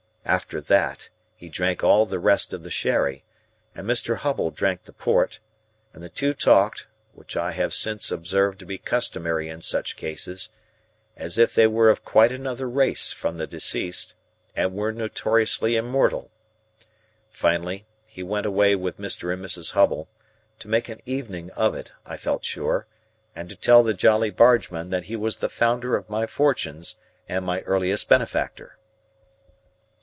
After that, he drank all the rest of the sherry, and Mr. Hubble drank the port, and the two talked (which I have since observed to be customary in such cases) as if they were of quite another race from the deceased, and were notoriously immortal. Finally, he went away with Mr. and Mrs. Hubble,—to make an evening of it, I felt sure, and to tell the Jolly Bargemen that he was the founder of my fortunes and my earliest benefactor.